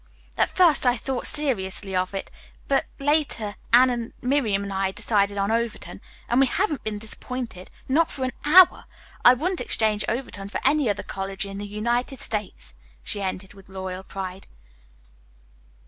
"At first I thought seriously of it, but later Anne and Miriam and I decided on Overton. And we haven't been disappointed, not for an hour! I wouldn't exchange Overton for any other college in the United States," she ended with loyal pride.